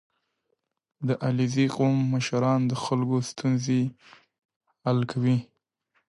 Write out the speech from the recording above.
• د علیزي قوم مشران د خلکو ستونزې حل کوي.